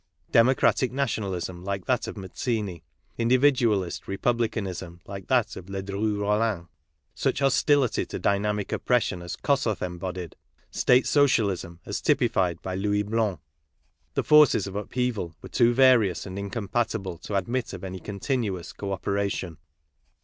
Democratic nation alism like that of Mazzini, individualist republicanism like that of Ledru Rollin, such hostility to dynastic oppression as Kossuth embodied, ,state socialism as typified by Louis Blanc — the forces of upheaval were too various and incompatible to admit of any continuous co operation.